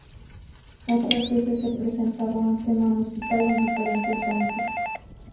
Otras veces se presentaba un tema musical en diferentes danzas.